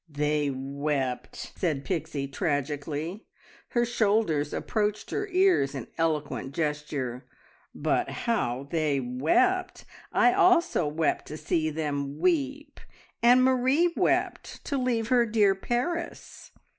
"They wept!" said Pixie tragically. Her shoulders approached her ears in eloquent gesture. "But how they wept! I also wept to see them weep, and Marie wept to leave her dear Paris."